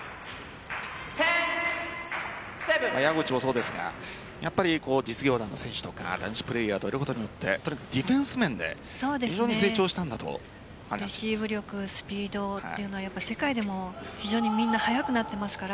山口もそうですが実業団の選手とか男子プレーヤーとやることによってディフェンス面で非常に成長したんだとレシーブ力スピードというのは世界でも非常にみんな速くなっていますから